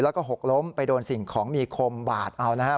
แล้วก็หกล้มไปโดนสิ่งของมีคมบาดเอานะครับ